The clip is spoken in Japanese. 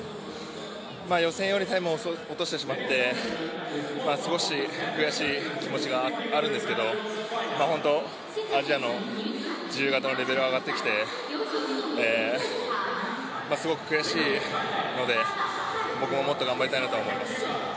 予選よりタイムを落としてしまって少し悔しい気持ちがあるんですけどアジアの自由形のレベルが上がってきて、すごく悔しいので僕ももっと頑張りたいなと思います。